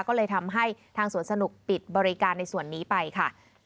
ก็เลยทำให้ทางสวนสนุกปิดบริการในส่วนนี้ไปค่ะ